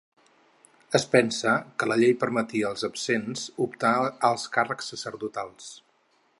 Es pensa que la llei permetia als absents optar als càrrecs sacerdotals.